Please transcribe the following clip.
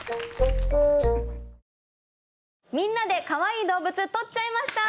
みんなでかわいい動物撮っちゃいました！